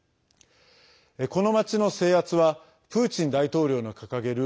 この町の制圧はプーチン大統領の掲げる